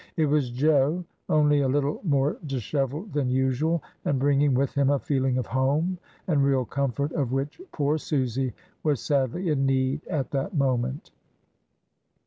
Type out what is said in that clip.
It was Jo, only a little more dishevelled than usual, and bringing with him a feeling of home and real comfort of which poor Susy was sadly in need at that mo ment.